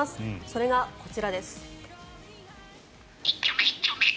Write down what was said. それがこちらです。